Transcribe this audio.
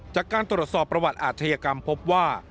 จากการตรวจสอบประวัติอาชญากรรมพบว่า